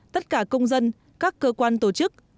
tất cả công dân các cơ quan tổ chức